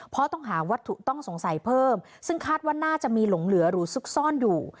เพราะต้องหาวัตถุต้องสงสัยเพิ่มซึ่งคาดว่าน่าจะมีหลงเหลือหรือซุกซ่อนอยู่